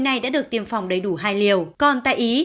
này đã được tiêm phòng đầy đủ hai liều còn tại ý